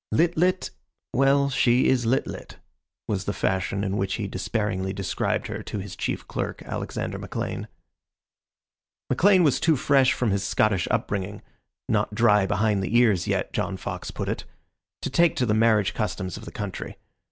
"Lit lit well, she is Lit lit," was the fashion in which he despairingly described her to his chief clerk, Alexander McLean. McLean was too fresh from his Scottish upbringing "not dry behind the ears yet," John Fox put it to take to the marriage customs of the country.